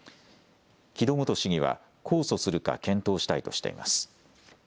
木戸元市議は控訴するか検討したいとしています。